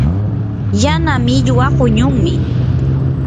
yana millwa quñunmi.